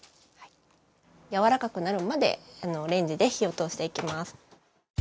やわらかくなるまでレンジで火を通していきます。